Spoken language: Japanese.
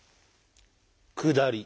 「下り」。